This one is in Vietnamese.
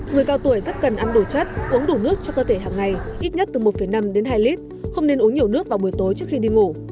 người cao tuổi rất cần ăn đồ chất uống đủ nước cho cơ thể hàng ngày ít nhất từ một năm đến hai lít không nên uống nhiều nước vào buổi tối trước khi đi ngủ